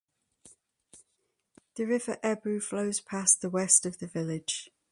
The River Ebbw flows past the west of the village.